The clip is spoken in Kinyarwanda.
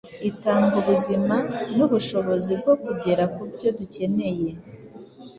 Itanga ubuzima n’ubushobozi bwo kugera ku byo dukeneye.